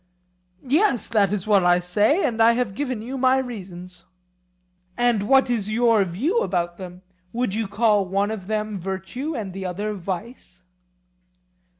Yes, that is what I say, and I have given you my reasons. And what is your view about them? Would you call one of them virtue and the other vice?